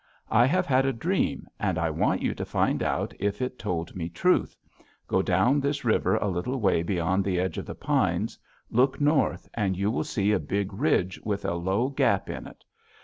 I have had a dream, and I want you to find out if it told me truth: Go down this river a little way beyond the edge of the pines, look north, and you will see a big ridge with a low gap in it.